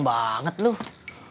ibu mau manggil lagi